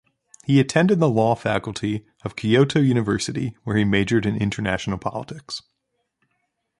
He attended the law faculty of Kyoto University, where he majored in international politics.